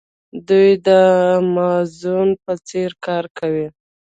دوی د امازون په څیر کار کوي.